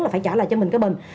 là phải trả lại cho mình cái bệnh